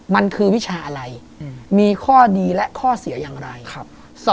ไม่เคยครับ